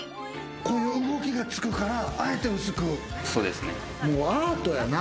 こういう動きがつくから、あえて薄く。